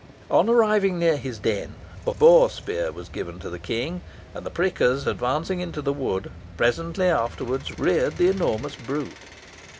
On arriving near his den, a boar spear was given to the King, and the prickers advancing into the wood, presently afterwards reared the enormous brute.